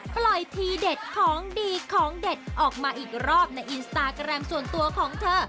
ทีเด็ดของดีของเด็ดออกมาอีกรอบในอินสตาแกรมส่วนตัวของเธอ